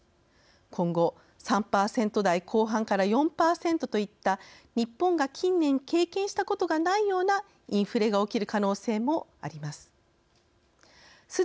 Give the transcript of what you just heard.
今後３％台後半から４％といった日本が近年経験したことがないようなインフレが起きる可能性もあります。